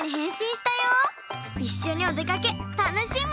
いっしょにおでかけたのしみ！